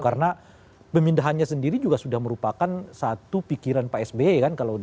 karena pemindahannya sendiri juga sudah merupakan satu pikiran pak s b kan kalau dulu